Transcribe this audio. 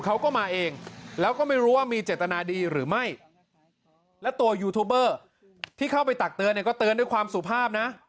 เขาก็มาเองแล้วก็ไม่รู้ว่ามีเจตนาดีหรือไม่และตัวยูทูบเบอร์ที่เข้าไปตักเตือนเนี่ยก็เตือนด้วยความสุภาพนะ